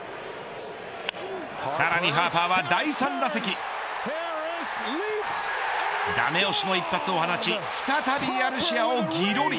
さらにハーパーは第３打席ダメ押しの一発を放ち再びアルシアをギロリ。